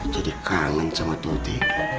jadi kangen sama tuti